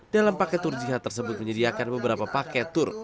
dalam paket tur jihad tersebut menyediakan beberapa paket tur